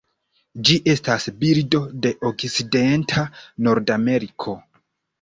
Ĝi estas birdo de okcidenta Nordameriko.